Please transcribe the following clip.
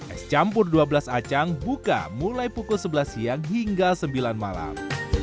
es campur dua belas acang buka mulai pukul sebelas siang hingga sembilan malam